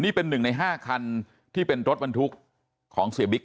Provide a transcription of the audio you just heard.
นี่เป็นหนึ่งใน๕คันที่เป็นรถบรรทุกของเสียบิ๊ก